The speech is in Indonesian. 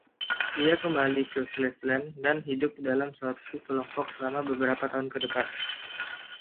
Ia kembali ke Cleveland dan hidup dalam suatu kelompok selama beberapa tahun ke depan.